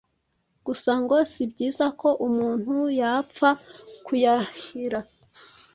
gusa ngo si byiza ko umuntu yapfa kuyahira